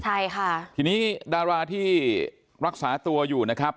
ใช่ค่ะทีนี้ดาราที่รักษาตัวอยู่นะครับ